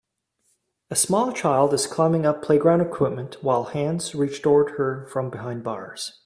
A small child is climbing up playground equipment while hands reach toward her from behind bars.